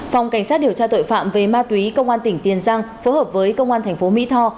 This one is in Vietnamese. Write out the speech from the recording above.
phòng cảnh sát điều tra tội phạm về ma túy công an tỉnh tiền giang phối hợp với công an thành phố mỹ tho